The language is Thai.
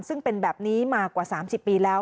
ซึ่งเป็นแบบนี้มากว่า๓๐ปีแล้ว